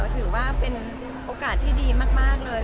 ถือว่าเป็นโอกาสที่ดีมากเลย